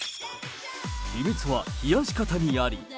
秘密は冷やし方にあり。